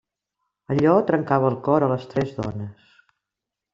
Allò trencava el cor a les tres dones.